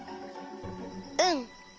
うん。